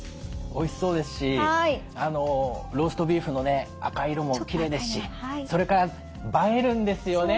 おいしそうですしローストビーフのね赤い色もきれいですしそれから映えるんですよね